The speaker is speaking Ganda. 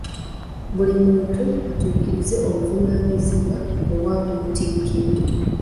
Buli muntu atuukirize obuvunaanyizibwa obwamutikkibwa.